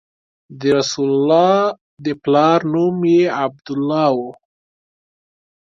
د رسول الله د پلار نوم یې عبدالله و.